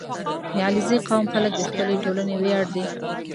• د علیزي قوم خلک د خپلې ټولنې ویاړ دي.